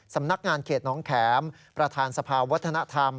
สำนักงานเขตน้องแข็มประธานสภาวัฒนธรรม